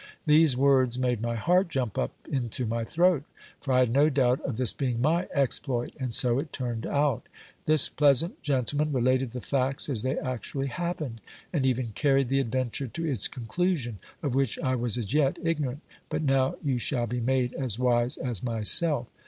These words made my heart jump up into my throat, for I had no doubt of this being my exploit — and so it turned out This pleasant gentle man related the facts as they actually happened, and even carried the adventure to its conclusion, of which I was as yet ignorant : but now you shall be made as wise as myself.